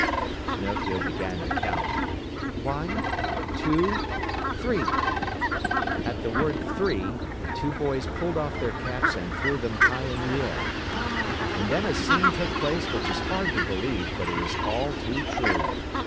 Pinocchio began to count, "One! Two! Three!" At the word "Three!" the two boys pulled off their caps and threw them high in air. And then a scene took place which is hard to believe, but it is all too true.